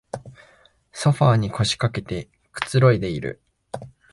ソファーに腰かけてくつろいでいる